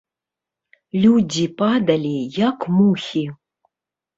Людзі падалі, як мухі.